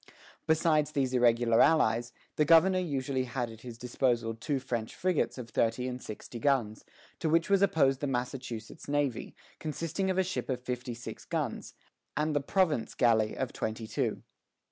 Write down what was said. Besides these irregular allies, the governor usually had at his disposal two French frigates of thirty and sixty guns, to which was opposed the Massachusetts navy, consisting of a ship of fifty six guns, and the "province galley," of twenty two.